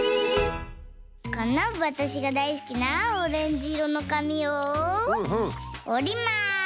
このわたしがだいすきなオレンジいろのかみをおります！